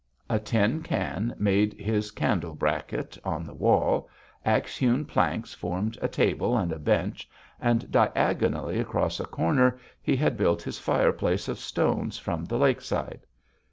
A tin can made his candle bracket on the wall, axe hewn planks formed a table and a bench, and diagonally across a corner he had built his fireplace of stones from the lakeside.